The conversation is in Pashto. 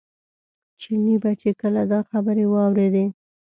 چیني به چې کله دا خبرې واورېدې.